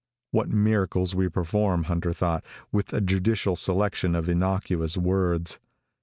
What miracles we perform, Hunter thought, with a judicial selection of innocuous words!